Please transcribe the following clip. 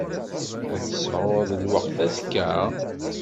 Ad tesɛuḍ lweqt azekka?